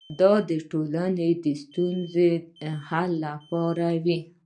دا د ټولنې د ستونزو د حل لپاره وي.